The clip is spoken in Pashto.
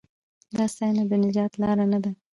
دا ستاینه د نجات لار نه ده.